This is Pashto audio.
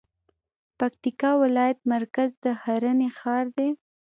پکتيکا ولايت مرکز د ښرنې ښار دی